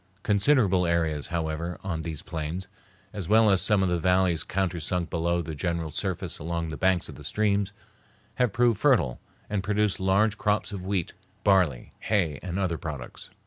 Considerable areas, however, on these plains, as well as some of the valleys countersunk below the general surface along the banks of the streams, have proved fertile and produce large crops of wheat, barley, hay, and other products.